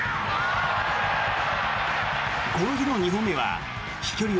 この日の２本目は飛距離